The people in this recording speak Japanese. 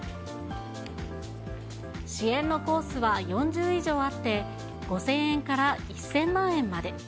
支援のコースは４０以上あって、５０００円から１０００万円まで。